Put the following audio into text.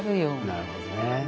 なるほどね。